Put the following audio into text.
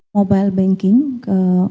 mobile banking ke